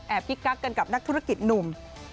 พิกกักกันกับนักธุรกิจหนุ่ม